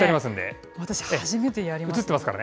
私、初めてやります。